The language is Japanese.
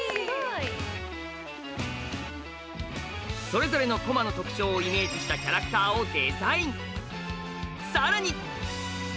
それぞれの駒の特徴をイメージしたキャラクターをデザイン！